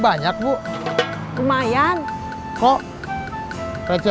ada apa tidak seperti si pria lawkwin